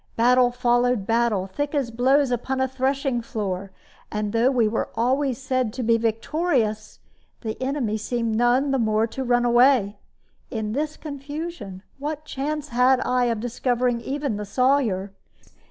Battle followed battle, thick as blows upon a threshing floor, and though we were always said to be victorious, the enemy seemed none the more to run away. In this confusion, what chance had I of discovering even the Sawyer?